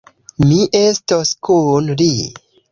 Mi estos kun li.